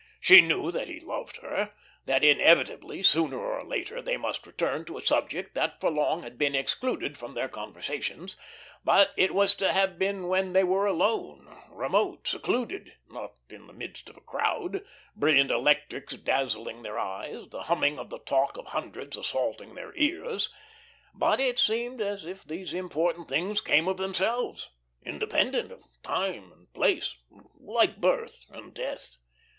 She knew that he loved her, that inevitably, sooner or later, they must return to a subject that for long had been excluded from their conversations, but it was to have been when they were alone, remote, secluded, not in the midst of a crowd, brilliant electrics dazzling their eyes, the humming of the talk of hundreds assaulting their ears. But it seemed as if these important things came of themselves, independent of time and place, like birth and death.